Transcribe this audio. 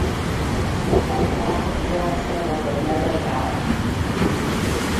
Kling walked and Brown singled with nobody out.